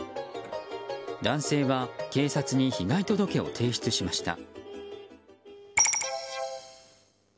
男性は警察に被害届を提出しました。